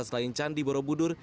selain candi borobudur